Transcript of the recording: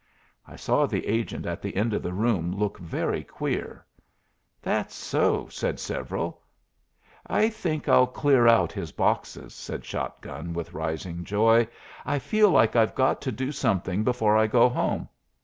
I saw the agent at the end of the room look very queer. "That's so!" said several. "I think I'll clear out his boxes," said Shot gun, with rising joy. "I feel like I've got to do something before I go home.